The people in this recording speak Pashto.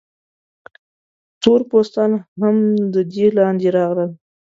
تور پوستان هم د دې لاندې راغلل.